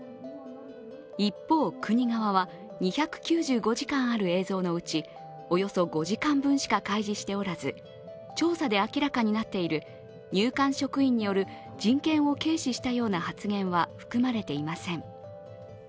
一方、国側は２９５時間ある映像のうちおよそ５時間分しか開示しておらず、調査で明らかになっている入管職員による人権を軽視したような発言は含まれていません。